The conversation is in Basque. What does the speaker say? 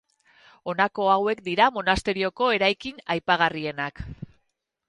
Honako hauek dira monasterioko eraikin aipagarrienak.